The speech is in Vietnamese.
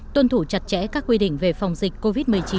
tuân thủ chặt chẽ các quy định về phòng dịch covid một mươi chín